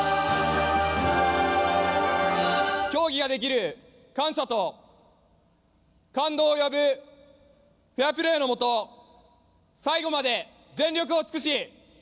競技ができる感謝と感動を呼ぶフェアプレーの下最後まで全力を尽くし。